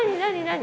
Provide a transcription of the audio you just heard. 何？